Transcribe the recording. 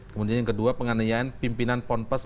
kemudian yang kedua penganian pimpinan ponpan